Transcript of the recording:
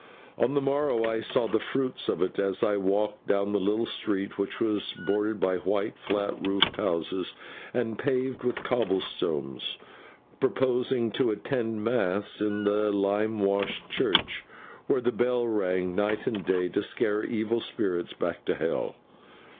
On the morrow I saw the fruits of it as I walked down the little street which was bordered by white, flat roofed houses and paved with cobble stones, purposing to attend mass in the lime washed church, where the bell rang night and day to scare evil spirits back to hell.